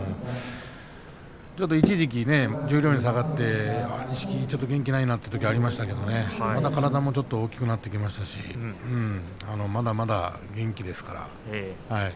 一時期ね、十両に下がって錦木、元気ないなというときがありましたけど体もまた、ちょっと大きくなってきましたしまだまだ元気ですから。